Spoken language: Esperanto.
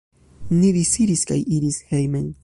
Ni disiris kaj iris hejmen.